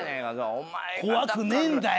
怖くねえんだよ。